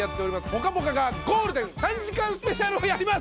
『ぽかぽか』がゴールデン３時間スペシャルをやります。